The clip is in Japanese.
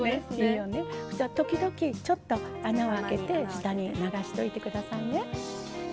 時々、ちょっと穴をあけて下に流しといてくださいね。